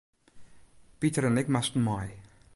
Piter en ik moasten mei.